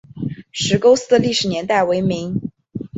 石沟寺的历史年代为明。